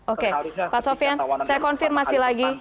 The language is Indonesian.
oke pak sofian saya konfirmasi lagi